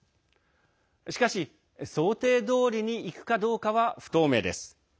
しかし想定どおりにいくかどうかは不透明です。